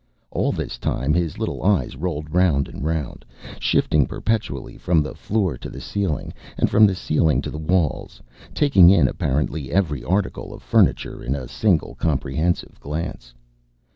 All this time his little eyes rolled round and round, shifting perpetually from the floor to the ceiling, and from the ceiling to the walls, taking in apparently every article of furniture in a single comprehensive glance.